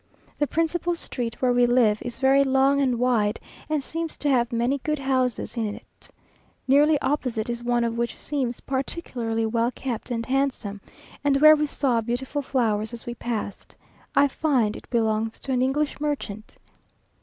The principal street, where we live, is very long and wide, and seems to have many good houses in it. Nearly opposite is one which seems particularly well kept and handsome, and where we saw beautiful flowers as we passed. I find it belongs to an English merchant.